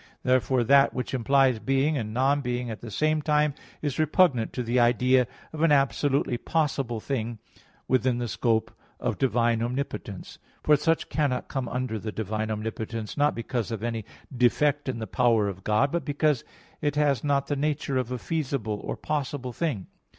Therefore, that which implies being and non being at the same time is repugnant to the idea of an absolutely possible thing, within the scope of the divine omnipotence. For such cannot come under the divine omnipotence, not because of any defect in the power of God, but because it has not the nature of a feasible or possible thing.